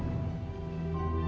kami sudah berhasil memulai